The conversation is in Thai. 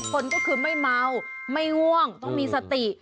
คนก็คือไม่เมาไม่ง่วงต้องมีสติ